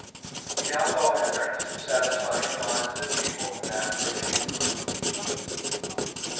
He now thought in earnest of satisfying the minds of his people in that particular.